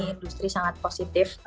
industri sangat positif